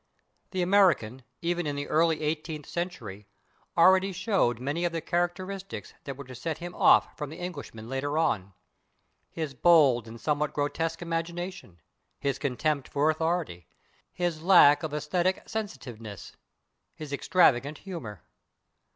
The American, even in the early eighteenth century, already showed many of the characteristics that were to set him off from the Englishman later on his bold and somewhat grotesque imagination, his contempt for authority, his lack of aesthetic sensitiveness, his extravagant humor.